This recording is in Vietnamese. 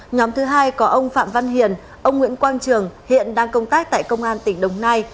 nhóm thứ hai có ông phạm văn hiền ông nguyễn quang trường hiện đang công tác tại công an tỉnh đồng nai